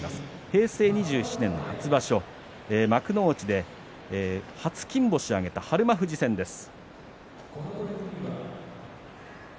平成２７年初場所幕内で初金星を挙げた日馬富士戦です。